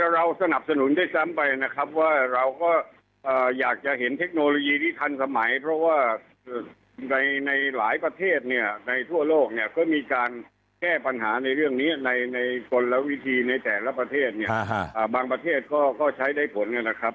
เราสนับสนุนด้วยซ้ำไปนะครับว่าเราก็อยากจะเห็นเทคโนโลยีที่ทันสมัยเพราะว่าในหลายประเทศเนี่ยในทั่วโลกเนี่ยก็มีการแก้ปัญหาในเรื่องนี้ในกลวิธีในแต่ละประเทศเนี่ยบางประเทศก็ใช้ได้ผลนะครับ